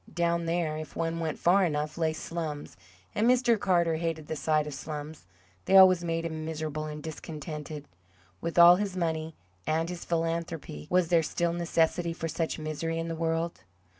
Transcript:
Down there, if one went far enough, lay "slums," and Mr. Carter hated the sight of slums; they always made him miserable and discontented. With all his money and his philanthropy, was there still necessity for such misery in the world?